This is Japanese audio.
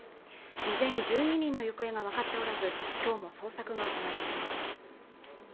依然１２人の行方が分かっておらずきょうも捜索が行われています